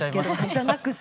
じゃなくて。